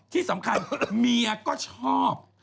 ที่สำคัญเมียก็ชอบ